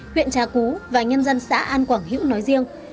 huyện trà cú và nhân dân xã an quảng hữu nói riêng